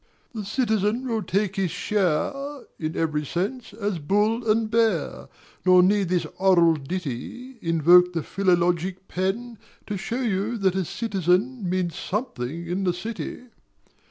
The Citizen will take his share (In every sense) as bull and bear; Nor need this oral ditty Invoke the philologic pen To show you that a Citizen Means Something in the City.